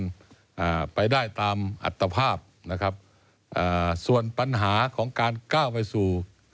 อ่าไปได้ตามอัตภาพนะครับอ่าส่วนปัญหาของการก้าวไปสู่